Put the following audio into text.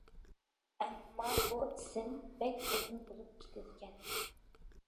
ئەمما بۇ ئىسىم بەك ئۇزۇن بولۇپ كېتىدىكەن.